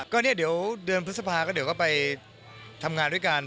ก็เนี่ยเดี๋ยวเดือนพฤษภาก็เดี๋ยวก็ไปทำงานด้วยกัน